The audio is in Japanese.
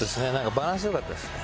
バランス良かったですね